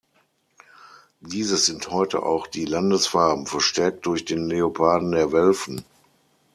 Dieses sind heute auch die Landesfarben, verstärkt durch den Leoparden der Welfen.